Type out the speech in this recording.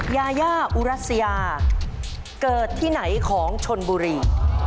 ยาย่าอุรัสยาเกิดที่ไหนของชนบุรี